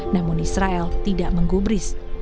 namun israel tidak menggubris